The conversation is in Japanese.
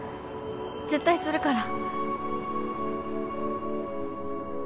絶対するから。